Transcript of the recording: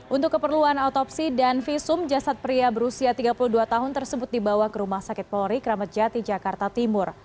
untuk keperluan otopsi dan visum jasad pria berusia tiga puluh dua tahun tersebut dibawa ke rumah sakit polri kramat jati jakarta timur